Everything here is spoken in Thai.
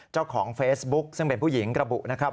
เจ้าของเฟซบุ๊คซึ่งเป็นผู้หญิงกระบุนะครับ